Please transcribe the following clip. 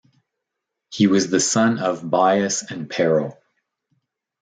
He was the son of Bias and Pero.